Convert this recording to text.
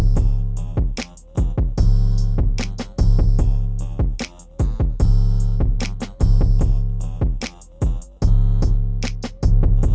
gapapa aku berterus sejam yang lalu masih ngantuk